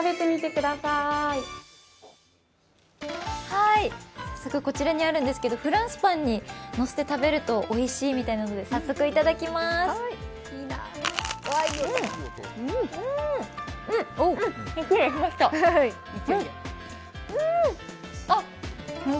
はーい、こちらにあるんですけど、フランスパンにのせて食べるとおいしいみたいなので、早速いただきまーす。